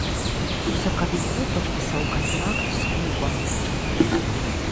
У сакавіку падпісаў кантракт з клубам.